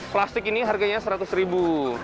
plastik ini harganya seratus ribu